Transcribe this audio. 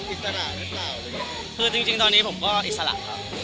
อิสระหรือเปล่าคือจริงจริงตอนนี้ผมก็อิสระครับ